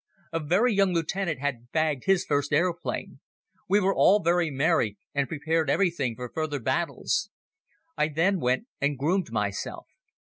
A very young Lieutenant had "bagged" his first aeroplane. We were all very merry and prepared everything for further battles. I then went and groomed myself.